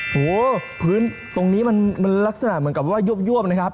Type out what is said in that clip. โหพื้นตรงนี้มันลักษณะเหมือนกับว่ายวบนะครับ